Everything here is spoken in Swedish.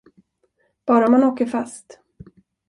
Bara om man åker fast.